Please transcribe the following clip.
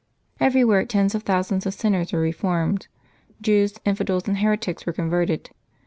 Everywhere tens of thousands of sinners were reformed; Jews, infidels, and heretics were converted.